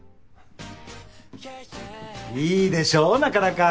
いいでしょうなかなか。